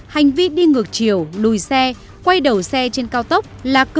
hành vi đi ngược chiều đùi xe quay đầu xe trên cao tốc